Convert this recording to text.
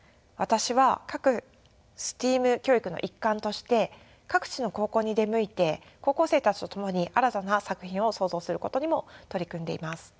私は各ＳＴＥＡＭ教育の一環として各地の高校に出向いて高校生たちと共に新たな作品を創造することにも取り組んでいます。